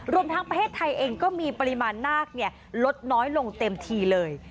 รวมทั้งประเทศไทยเองก็มีปริมาณนาคลดน้อยลงเต็มทีเลย